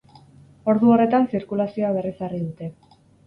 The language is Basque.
Ordu horretan zirkulazioa berrezarri dute.